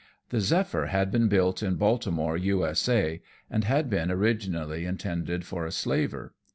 The Zephyr had been built in Baltimore, U.S.A., and had been originally intended for a slaver.